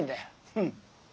うん。